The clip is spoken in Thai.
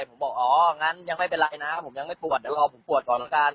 ผมบอกอ๋องั้นยังไม่เป็นไรนะผมยังไม่ปวดเดี๋ยวรอผมปวดก่อนแล้วกัน